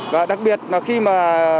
và đặc biệt là khi mà